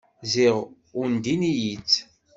Ziɣ undin-iyi-tt.